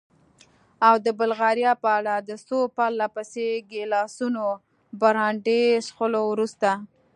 او د بلغاریا په اړه؟ د څو پرله پسې ګیلاسو برانډي څښلو وروسته.